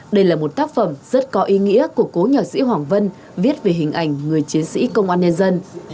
đây là một tác phẩm rất có ý nghĩa của cố nhạc sĩ hoàng vân viết về hình ảnh người chiến sĩ công an nhân dân